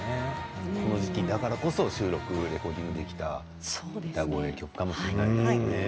この時期だからこそレコーディングできた曲かもしれませんね。